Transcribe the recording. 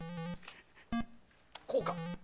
こうか。